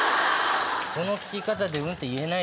その聞き方でうんって言えない。